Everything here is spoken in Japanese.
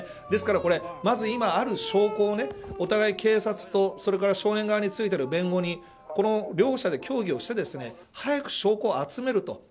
ですから、まず今ある証拠をお互い警察とそれから少年側についてる弁護人この両者で協議をして早く証拠を集めると。